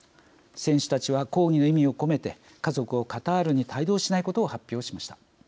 選手たちは、抗議の意味を込めて家族をカタールに帯同しないことを発表しました。